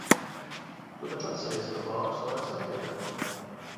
Tu taču atceries, ka bārs vairs nepieder man?